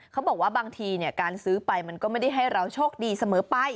เขาบอกว่าบางทีการซื้อไปมันก็ไม่ได้ให้เราโชคดีเสมอไป